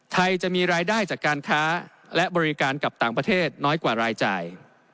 จะมีรายได้จากการค้าและบริการกับต่างประเทศน้อยกว่ารายจ่าย